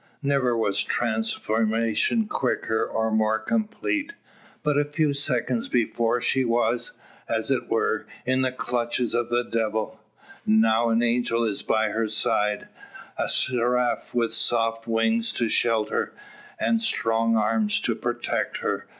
Never was transformation quicker, or more complete. But a few seconds before she was, as it were, in the clutches of the devil; now an angel is by her side, a seraph with soft wings to shelter, and strong arms to protect her.